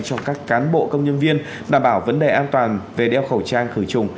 cho các cán bộ công nhân viên đảm bảo vấn đề an toàn về đeo khẩu trang khử trùng